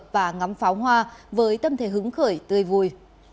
và ngắm pháo hoa với tâm thế hứng khởi tươi vui